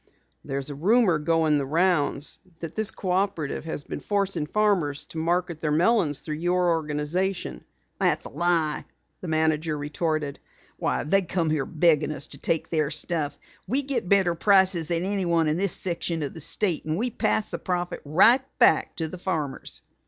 "There's a rumor going the rounds that this cooperative has been forcing farmers to market their melons through your organization." "It's a lie!" the manager retorted. "Why they come here begging us to take their stuff! We get better prices than anyone in this section of the state, and we pass the profit right back to the farmers."